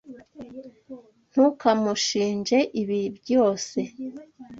Ntukamushinje ibi ryose.